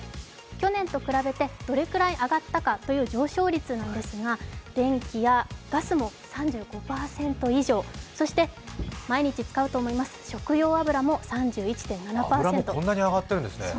去年と比べてどれくらい上がったかという上昇率なんですが、電気やガスも３５％以上、そして毎日使うと思います、食用油も３１．７％、油もこんなに上がってるんですね。